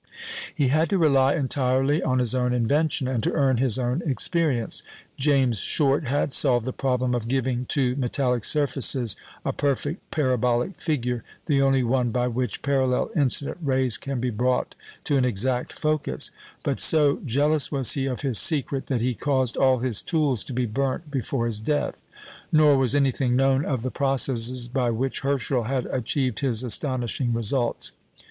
He had to rely entirely on his own invention, and to earn his own experience. James Short had solved the problem of giving to metallic surfaces a perfect parabolic figure (the only one by which parallel incident rays can be brought to an exact focus); but so jealous was he of his secret, that he caused all his tools to be burnt before his death; nor was anything known of the processes by which Herschel had achieved his astonishing results.